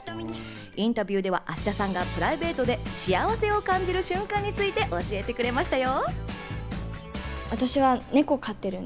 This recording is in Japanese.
インタビューでは芦田さんがプライベートで幸せを感じる瞬間について教えてくれましたよ。